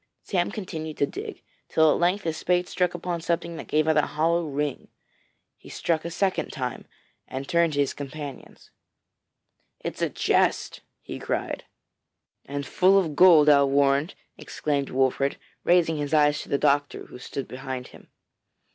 Sam continued to dig, till at length his spade struck upon something that gave out a hollow ring. He struck a second time, and turned to his companions. 'It is a chest,' he cried. 'And full of gold, I'll warrant,' exclaimed Wolfert, raising his eyes to the doctor, who stood behind him.